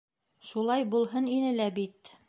— Шулай булһын ине лә бит...